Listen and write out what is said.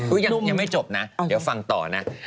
ยังไม่จบนะเดี๋ยวฟังต่อนะ